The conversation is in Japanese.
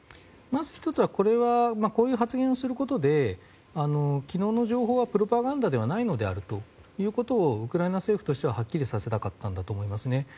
まず１つはこういう発言をすることで昨日の情報はプロバガンダではないということをウクライナ政府としてははっきりさせたかったんだと思います。